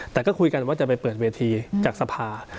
แต่ก็คุยกันว่าจะไปเปิดเวทีจากสภา